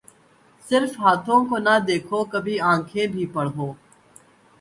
صرف ہاتھوں کو نہ دیکھو کبھی آنکھیں بھی پڑھو